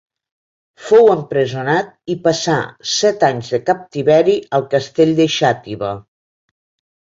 Fou empresonat i passà set anys de captiveri al Castell de Xàtiva.